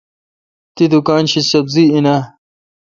تی دکان شی سبری این اں۔